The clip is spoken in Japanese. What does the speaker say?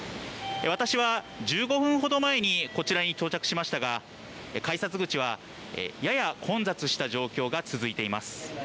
私は１５分ほど前にこちらに到着しましたが改札口はやや混雑した状況が続いています。